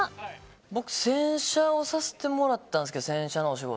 僕、洗車をさせてもらったんですけど、洗車のお仕事。